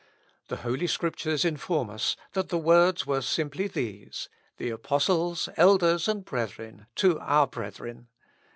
The Holy Scriptures inform us, that the words were simply these, "The apostles, elders, and brethren, to our brethren."